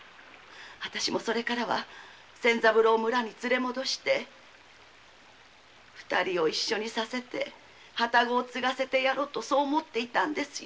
私もそれからは二人を一緒にさせて旅籠を継がせてやろうとそう思っていたんですよ。